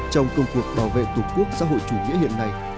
trong công cuộc bảo vệ tổ quốc xã hội chủ nghĩa hiện nay